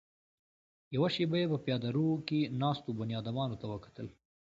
يوه شېبه يې په پياده رو کې ناستو بنيادمانو ته وکتل.